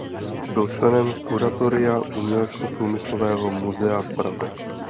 Byl členem kuratoria Uměleckoprůmyslového musea v Praze.